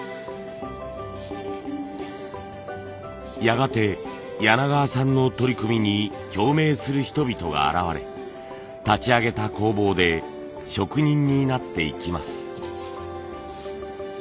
やがて柳川さんの取り組みに共鳴する人々が現れ立ち上げた工房で職人になっていきます。